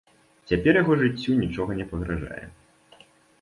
Цяпер яго жыццю нічога не пагражае.